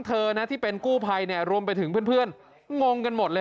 เธอนะที่เป็นกู้ภัยเนี่ยรวมไปถึงเพื่อนงงกันหมดเลย